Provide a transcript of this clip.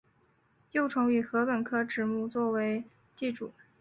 幼虫以禾本科植物作寄主。